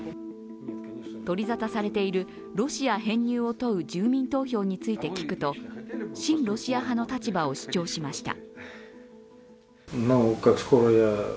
取り沙汰されているロシア編入を問う住民投票について聞くと親ロシア派の立場を主張しました。